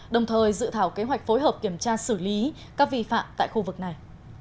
đồng thời dự thảo kế hoạch phối hợp kiểm tra xử lý các vi phạm tại khu vực này